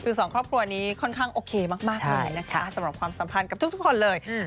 คือสองครอบครัวนี้ค่อนข้างโอเคมากเลยนะคะสำหรับความสัมพันธ์กับทุกคนเลย